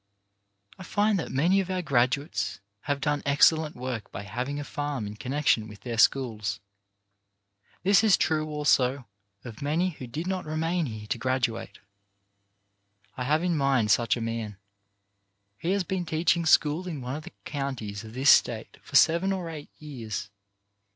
I find that many of our graduates have done excellent work by having a farm in connection LAST WORDS 289 with their schools. This is true, also, of many who did not remain here to graduate. I have in mind such a man. He has been teaching school in one of the counties of this State for seven or eight years.